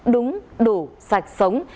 đúng đủ sạch sống